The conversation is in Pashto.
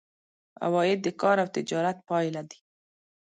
عواید د کار او تجارت پایله دي.